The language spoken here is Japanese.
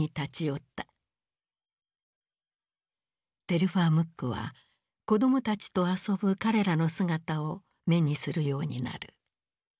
テルファー・ムックは子供たちと遊ぶ彼らの姿を目にするようになる。